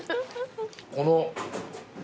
この。